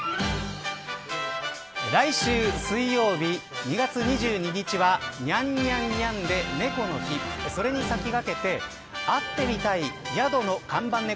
来週水曜日、２月２２日はにゃんにゃんにゃんで猫の日それに先駆けて、会ってみたい宿の看板ねこ